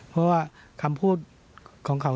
เพราะว่าคำพูดของเขา